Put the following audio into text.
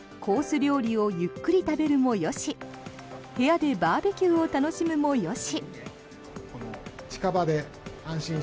料理をゆっくり食べるもよし部屋でバーベキューを楽しむもよし。